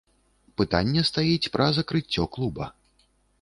Пытанне стаіць пра закрыццё клуба.